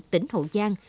tỉnh hồ giang